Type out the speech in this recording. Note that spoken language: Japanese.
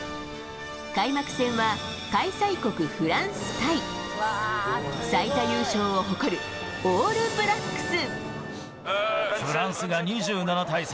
開幕戦は開催国フランス対最多優勝を誇るオールブラックス。